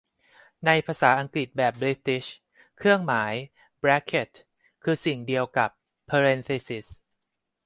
ในภาษาอังกฤษแบบบริติช เครื่องหมาย แบรคิท คือสิ่งเดียวกับเพอะเร็นธิซิซ